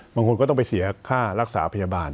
บางคนก็ต้องไปเสียค่ารักษาพยาบาล